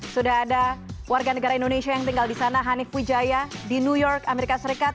sudah ada warga negara indonesia yang tinggal di sana hanif wijaya di new york amerika serikat